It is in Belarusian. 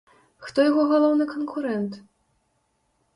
Хто яго галоўны канкурэнт?